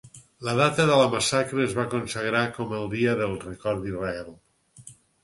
La data de la massacre es va consagrar com el Dia del Record d'Israel.